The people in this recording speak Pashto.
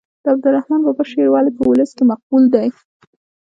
د عبدالرحمان بابا شعر ولې په ولس کې مقبول دی.